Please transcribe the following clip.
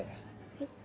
はい。